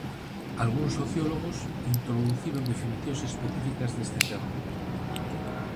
Algúns sociólogos introduciron definicións específicas deste termo.